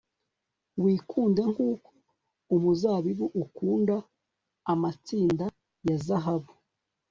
Wikunde nkuko umuzabibu ukunda amatsinda ya zahabu